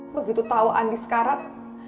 begitu tau andi sekarat